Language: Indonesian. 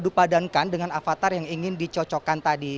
saya memperbadankan dengan avatar yang ingin dicocokkan tadi